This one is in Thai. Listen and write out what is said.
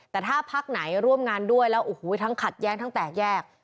แต่ถ้าพักไหนร่วมงานด้วยแล้วโอ้โหทั้งขัดแย้งทั้งแตกแยก